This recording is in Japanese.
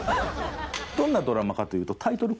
どんなドラマかというとタイトル